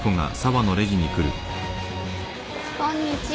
・こんにちは。